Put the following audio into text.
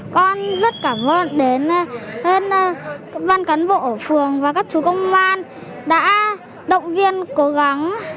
con rất cảm ơn đến ban cán bộ ở phường và các chú công an đã động viên cố gắng